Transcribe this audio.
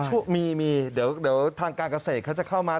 ช่วงนี้มีมีเดี๋ยวทางการเกษตรเขาจะเข้ามา